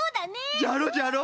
じゃろじゃろ？